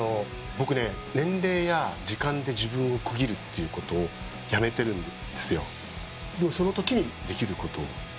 僕年齢や時間で自分を区切るということをやめてるんですよ。